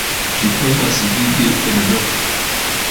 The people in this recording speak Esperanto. Ĝi povas vidi en nokto.